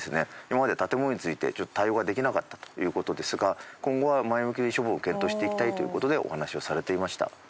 今まで建物についてちょっと対応ができなかったという事ですが今後は前向きに処分を検討していきたいという事でお話をされていました。